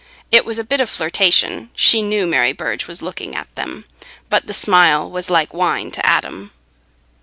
It was a bit of flirtation—she knew Mary Burge was looking at them. But the smile was like wine to Adam.